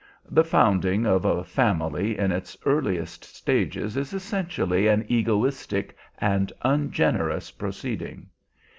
The founding of a family in its earliest stages is essentially an egoistic and ungenerous proceeding.